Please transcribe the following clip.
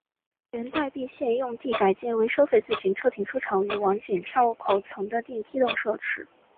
原待避线用地改建为收费自行车停车场与往剪票口层的电梯等设施。